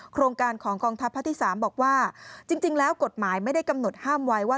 โครงการของกองทัพภาคที่๓บอกว่าจริงแล้วกฎหมายไม่ได้กำหนดห้ามไว้ว่า